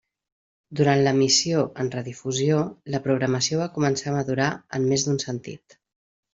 Durant l'emissió en redifusió, la programació va començar a madurar en més d'un sentit.